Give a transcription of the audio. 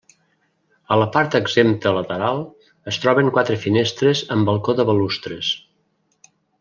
A la part exempta lateral, es troben quatre finestres amb balcó de balustres.